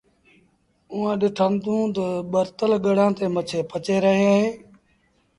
اُئآݩٚ ڏٺآندونٚ تا ٻرتل گڙآݩ تي مڇيٚنٚ پچيݩ رهينٚ اهينٚ